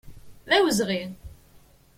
D awezɣi!